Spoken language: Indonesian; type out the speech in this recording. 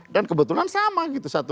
dan kebetulan sama gitu